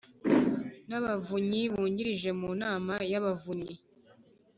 n Abavunyi Bungirije Mu Nama y Abavunyi